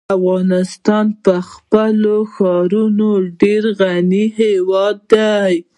افغانستان په خپلو ښارونو ډېر غني هېواد دی.